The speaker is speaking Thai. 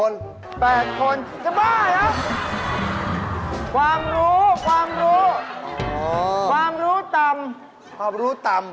ซื้อของไหมถามก่อนซื้อของไหม